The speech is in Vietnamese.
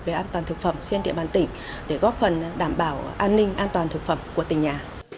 về an toàn thực phẩm trên địa bàn tỉnh để góp phần đảm bảo an ninh an toàn thực phẩm của tỉnh nhà